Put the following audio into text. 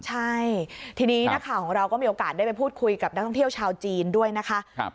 ใช่ทีนี้นักข่าวของเราก็มีโอกาสได้ไปพูดคุยกับนักท่องเที่ยวชาวจีนด้วยนะคะ